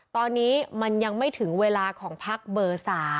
ตอนนี้มันยังไม่ถึงเวลาของพักเบอร์๓